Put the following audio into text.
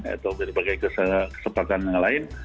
atau berbagai kesempatan lain